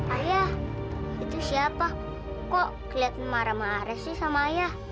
ayah itu siapa kok kelihatan marah marah sih sama ayah